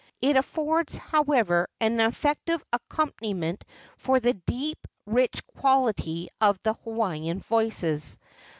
It affords, however, an effective accompaniment for the deep, rich quality of the Hawaiian voices.